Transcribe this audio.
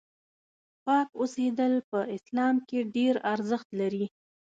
پاک اوسېدل په اسلام کې ډېر ارزښت لري.